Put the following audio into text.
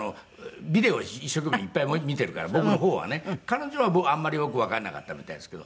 ビデオを一生懸命いっぱい見ているから僕の方はね。彼女はあんまりよくわからなかったみたいですけど。